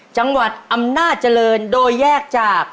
จังหวัดอำนาจเจริญโดยแยกจาก